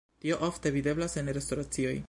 Tio ofte videblas en restoracioj.